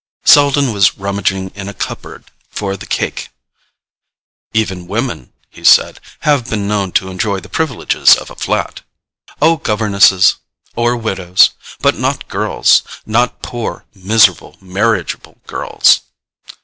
Selden was rummaging in a cupboard for the cake. "Even women," he said, "have been known to enjoy the privileges of a flat." "Oh, governesses—or widows. But not girls—not poor, miserable, marriageable girls!"